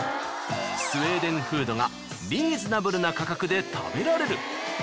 スウェーデンフードがリーズナブルな価格で食べられる。